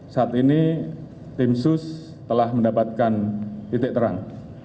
saat ini tim sus telah mendapatkan titik terang